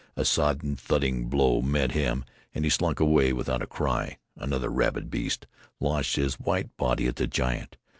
A sodden, thudding blow met him and he slunk away without a cry. Another rabid beast launched his white body at the giant.